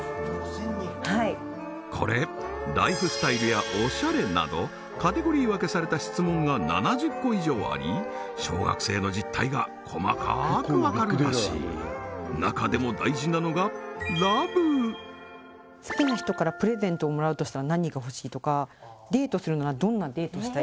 はいこれライフスタイルやおしゃれなどカテゴリー分けされた質問が７０個以上あり小学生の実態が細かく分かるらしい中でも好きな人からプレゼントをもらうとしたら何がほしい？とかデートするならどんなデートしたい？